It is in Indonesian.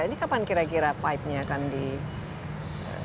ini kapan kira kira pipenya akan dipangun